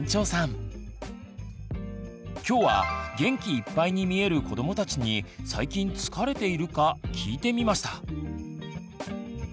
今日は元気いっぱいに見えるこどもたちに「最近疲れているか」聞いてみました！